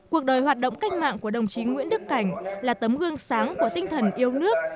cuộc đời hoạt động cách mạng của đồng chí nguyễn đức cảnh là tấm gương sáng của tinh thần yêu nước